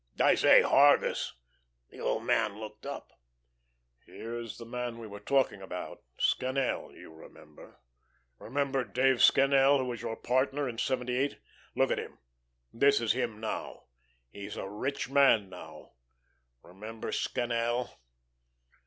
I say, Hargus!" The old man looked up. "Here's the man we were talking about, Scannel, you remember. Remember Dave Scannel, who was your partner in seventy eight? Look at him. This is him now. He's a rich man now. Remember Scannel?"